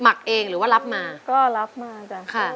หักเองหรือว่ารับมาก็รับมาจ้ะค่ะ